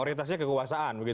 orientasinya kekuasaan begitu